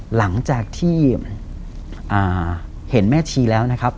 หลังจากที่เห็นแม่ชีแล้วนะครับ